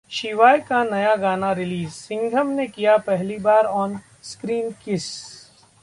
'शिवाय' का नया गाना रिलीज, 'सिंघम' ने किया पहली बार ऑन स्क्रीन किस